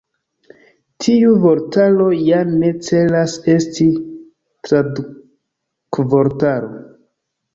Tiu vortaro ja ne celas esti tradukvortaro.